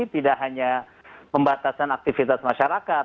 tidak hanya pembatasan aktivitas masyarakat